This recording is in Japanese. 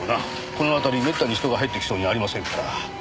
この辺りめったに人が入ってきそうにありませんから。